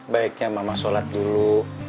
baiknya mama sholat dulu